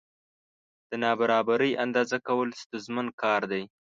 د نابرابرۍ اندازه کول ستونزمن کار دی.